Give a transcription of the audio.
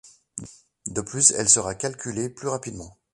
De plus, elle sera calculée plus rapidement.